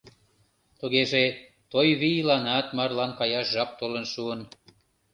Тугеже, Тойвийланат марлан каяш жап толын шуын...